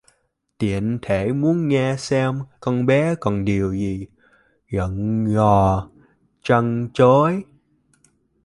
tiện thể muốn nghe xem con bé còn điều gì dặn dò trăn trối